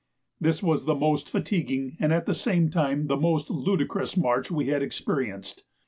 This was the most fatiguing and at the same time the most ludicrous march we had experienced.